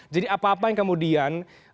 jadi apa apa yang kemudian